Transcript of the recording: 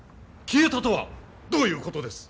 消えたとはどういうことです！？